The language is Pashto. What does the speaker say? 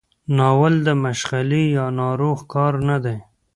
ناول د مشغلې یا ناروغ کار نه دی.